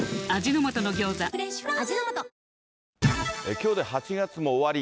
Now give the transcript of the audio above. きょうで８月も終わり。